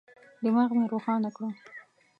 دماغ مي روښانه کړه.